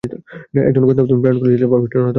একজন গোয়েন্দাও তুমি প্রেরণ করেছিলে পাপিষ্ঠ নরাধম!